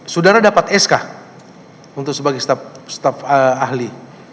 saudara dapat sk untuk sebagai staf ahli